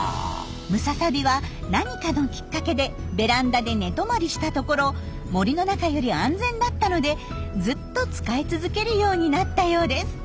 ムササビは何かのきっかけでベランダで寝泊まりしたところ森の中より安全だったのでずっと使い続けるようになったようです。